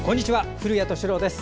古谷敏郎です。